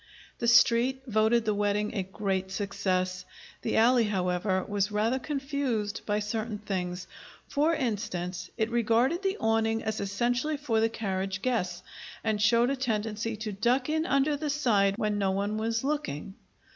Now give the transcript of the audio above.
The Street voted the wedding a great success. The alley, however, was rather confused by certain things. For instance, it regarded the awning as essentially for the carriage guests, and showed a tendency to duck in under the side when no one was looking.